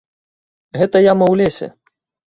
Гэта яма ў лесе.